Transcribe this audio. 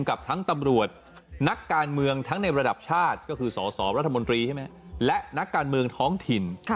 กับทั้งตำรวจนักการเมืองทั้งในระดับชาติก็คือสสรัฐมนตรีใช่ไหมและนักการเมืองท้องถิ่น